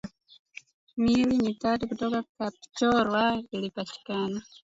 Miili mitatu kutoka Kapchorwa ilipatikana